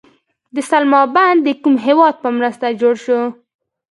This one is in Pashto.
د سلما بند د کوم هیواد په مرسته جوړ شو؟